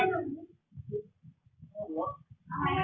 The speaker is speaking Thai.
ในพื้นเที่ยม